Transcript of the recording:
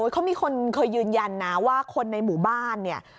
เขามีคนเคยยืนยันนะว่าคนในหมู่บ้านเนี่ย